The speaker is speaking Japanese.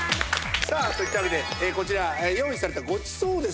さあといったわけでこちら用意されたごちそうをですね